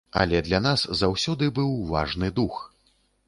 Але для нас заўсёды быў важны дух.